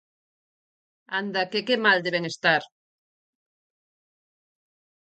¡Anda que que mal deben estar!